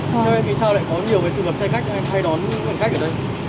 thế sao lại có nhiều tư vật xe khách hay đón hành khách ở đây